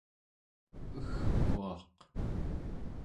egkuaq